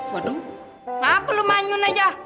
waduh ngapain lo manyun aja